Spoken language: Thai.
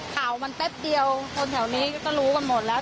ข่าวมันแป๊บเดียวคนแถวนี้ก็รู้กันหมดแล้ว